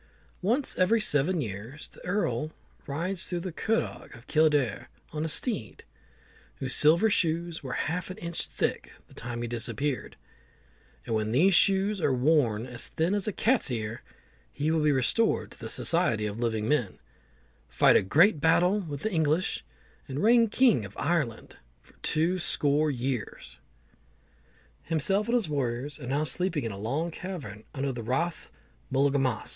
Once every seven years the Earl rides round the Curragh of Kildare on a steed, whose silver shoes were half an inch thick the time he disappeared; and when these shoes are worn as thin as a cat's ear, he will be restored to the society of living men, fight a great battle with the English, and reign king of Ireland for two score years. Himself and his warriors are now sleeping in a long cavern under the Rath of Mullaghmast.